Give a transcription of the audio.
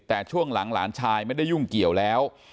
แต่ช่วงหลังหลานชายไม่ได้ยุ่งเกี่ยวแล้ว